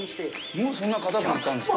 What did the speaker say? もうそんなに硬くなったんですか？